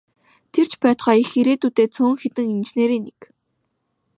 Тэр ч байтугай их ирээдүйтэй цөөн хэдэн инженерийн нэг.